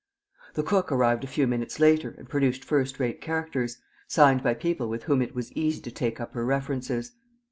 The cook arrived a few minutes later and produced first rate characters, signed by people with whom it was easy to take up her references.